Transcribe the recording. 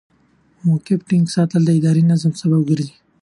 د موقف ټینګ ساتل د ادارې د نظم سبب ګرځي.